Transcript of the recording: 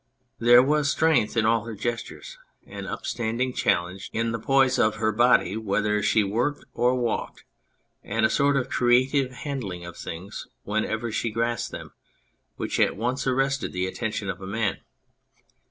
There was strength in all her gestures, an upstanding challenge in the poise of her body whether she worked or walked, and a sort of creative handling of things whenever she grasped them which at once arrested the attention of a man.